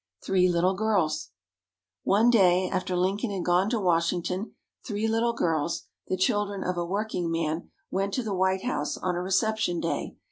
Three Little Girls One day, after Lincoln had gone to Washington, three little girls, the children of a workingman, went to the White House on a reception day.